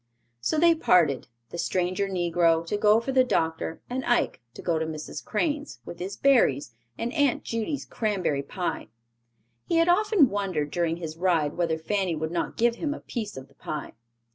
So they parted, the stranger negro to go for the doctor and Ike to go to Mrs. Crane's, with his berries, and Aunt Judy's cranberry pie. He had often wondered during his ride whether Fanny would not give him a piece of the pie.